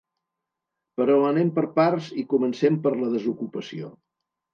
Però anem per parts i comencem per la desocupació.